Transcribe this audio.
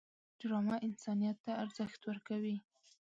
ډرامه انسانیت ته ارزښت ورکوي